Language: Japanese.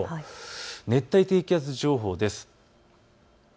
熱帯低気圧情報です。